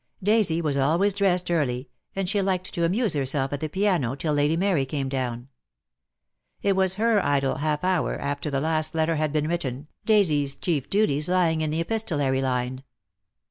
Daisy was always dressed early, and she liked to amuse herself at the piano till Lady Mary came down. It was her idle half hour after the last letter had been written, Daisy's chief duties lying in the epistolary line.